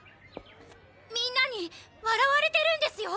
みんなに笑われてるんですよ？